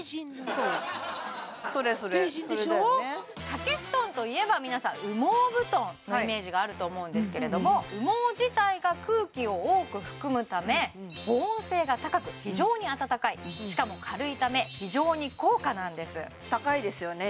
そうそれそれそれだよね掛け布団といえば皆さん羽毛布団のイメージがあると思うんですけれども羽毛自体が空気を多く含むため保温性が高く非常にあたたかいしかも軽いため非常に高価なんです高いですよね